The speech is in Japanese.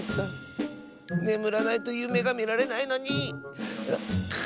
ねむらないとゆめがみられないのに！